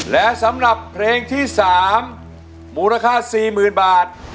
และสำหรับเพลงที่๓มูลค่า๔๐๐๐บาท